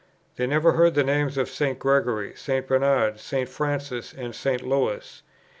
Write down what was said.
They never heard the names of St. Gregory, St. Bernard, St. Francis, and St. Louis.